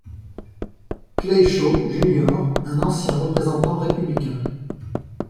Clay Shaw, Jr., un ancien représentant républicain.